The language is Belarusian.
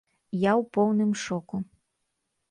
Я ў поўным шоку.